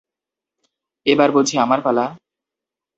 এবার বুঝি আমার পালা?